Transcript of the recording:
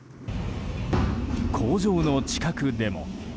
工場の近くでも。